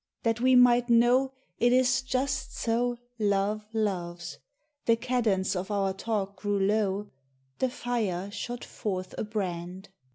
That we might know It is just so Love loves, the cadence of our talk grew low, The fire shot forth a brand.